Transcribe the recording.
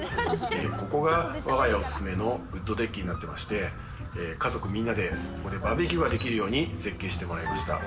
ここが我が家おすすめのウッドデッキになってまして、家族みんなでバーベキューができるように設計してもらいました。